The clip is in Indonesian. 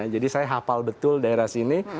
jadi saya hafal betul daerah sini